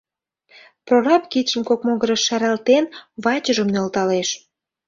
Прораб, кидшым кок могырыш шаралтен, вачыжым нӧлталеш: